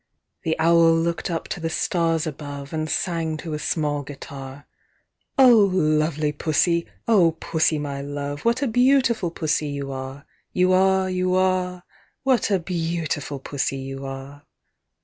The Owl looked up to the stars above, And sang to a small guitar, "O lovely Pussy! O Pussy, my love, What a beautiful Pussy you are, You are, You are! What a beautiful Pussy you are!"